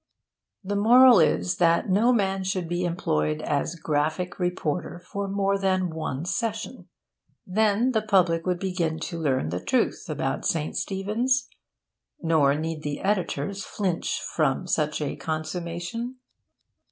The moral is that no man should be employed as graphic reporter for more than one session. Then the public would begin to learn the truth about St. Stephen's. Nor need the editors flinch from such a consummation.